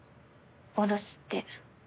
おろすって。